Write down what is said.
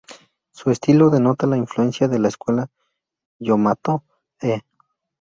Su estilo denota la influencia de la escuela Yamato-e.